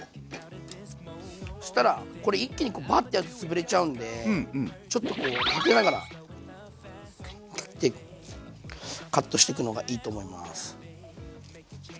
そしたらこれ一気にバッてやるとつぶれちゃうんでちょっとこう立てながら切っていくカットしていくのがいいと思います。